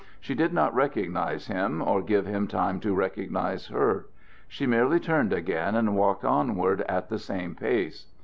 She did not recognize him, or give him time to recognize her. She merely turned again and walked onward at the same pace.